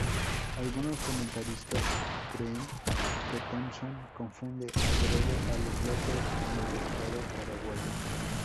Algunos comentaristas creen que Thompson confunde adrede a los López con el estado paraguayo.